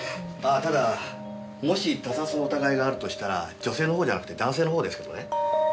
ただもし他殺の疑いがあるとしたら女性のほうじゃなくて男性のほうですけどね。